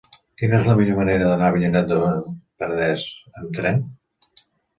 Quina és la millor manera d'anar a Avinyonet del Penedès amb tren?